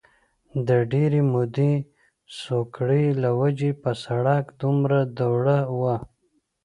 د ډېرې مودې سوکړې له وجې په سړک دومره دوړه وه